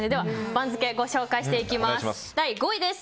番付、ご紹介していきます。